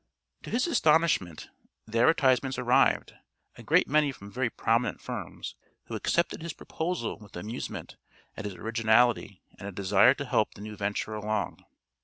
To his astonishment the advertisements arrived, a great many from very prominent firms, who accepted his proposal with amusement at his originality and a desire to help the new venture along.